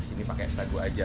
ini pakai sagu aja